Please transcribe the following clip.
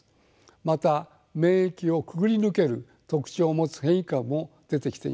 また免疫をくぐり抜ける特徴を持つ変異株も出てきています。